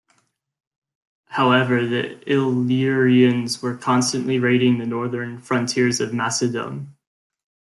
However, the Illyrians were constantly raiding the northern frontiers of Macedon.